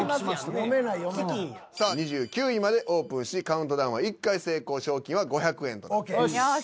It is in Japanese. さあ２９位までオープンしカウントダウンは１回成功賞金は５００円となっています。